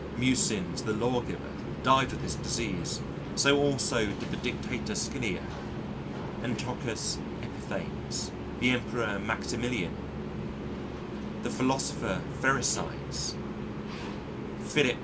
Mucius the lawgiver died of this disease so also did the Dictator Scylla, Antiochus Epiphanes, the Emperor Maximilian, the philosopher Pherecydes, Philip II.